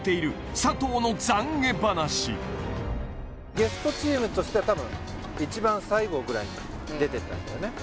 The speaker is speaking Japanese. ゲストチームとしては多分一番最後ぐらいに出てったんだよね